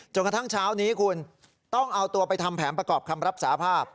กระทั่งเช้านี้คุณต้องเอาตัวไปทำแผนประกอบคำรับสาภาพ